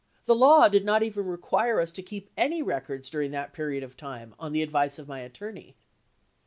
The law did not even require us to keep any records dur ing that period of time, on the advice of my attorney.